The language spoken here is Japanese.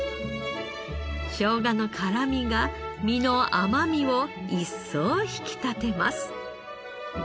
ショウガの辛みが身の甘みを一層引き立てます。